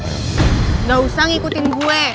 gak usah ngikutin gue